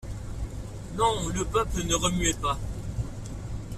Non, le peuple ne remuait pas!